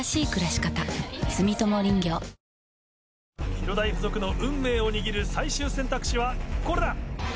広大附属の運命を握る最終選択肢はこれだ！